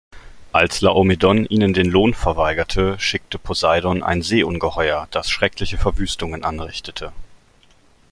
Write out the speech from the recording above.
Als Laomedon ihnen den Lohn verweigerte, schickte Poseidon ein Seeungeheuer, das schreckliche Verwüstungen anrichtete.